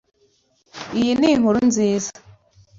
Iyi ni inkuru nziza